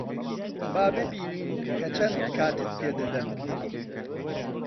با ببینین کە چەند کاتت پێ دەدەن.